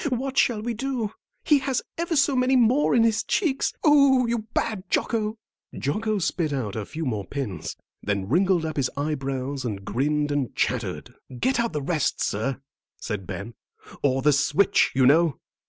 "What shall we do? He has ever so many more in his cheeks. Oh, you bad Jocko!" Jocko spit out a few more pins, then wrinkled up his eyebrows and grinned and chattered. "Get the rest out, sir," said Ben, "or the switch, you know."